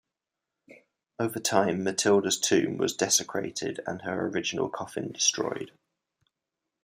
Over time Matilda's tomb was desecrated and her original coffin destroyed.